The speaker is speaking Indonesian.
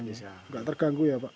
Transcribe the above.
nggak terganggu ya pak